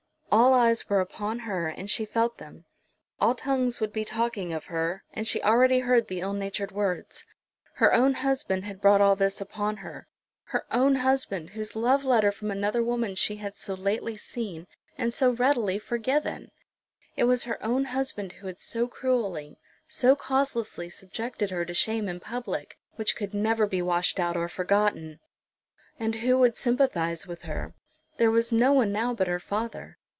All eyes were upon her, and she felt them; all tongues would be talking of her, and she already heard the ill natured words. Her own husband had brought all this upon her, her own husband, whose love letter from another woman she had so lately seen, and so readily forgiven! It was her own husband who had so cruelly, so causelessly subjected her to shame in public, which could never be washed out or forgotten! And who would sympathise with her? There was no one now but her father.